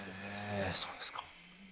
そうですか。